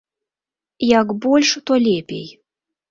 Як больш, то лепей.